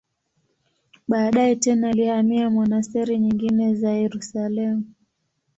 Baadaye tena alihamia monasteri nyingine za Yerusalemu.